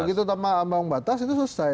begitu tanpa ambang batas itu selesai